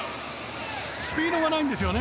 スピードがないんですよね。